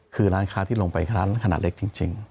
คือร้านค้าที่ลงไปคือร้านขนาดเล็กจริง